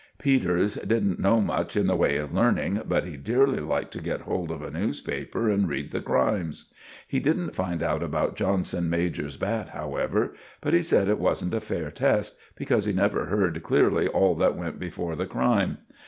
Peters didn't know much in the way of learning, but he dearly liked to get hold of a newspaper and read the crimes. He didn't find out about Johnson major's bat, however; but he said it wasn't a fair test, because he never heard clearly all that went before the crime.